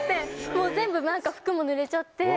もう全部服もぬれちゃって。